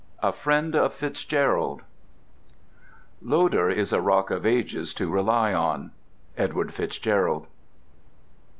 A FRIEND OF FITZGERALD Loder is a Rock of Ages to rely on. —EDWARD FITZGERALD.